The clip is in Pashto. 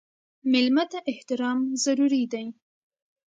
مېلمه ته احترام ضروري دی.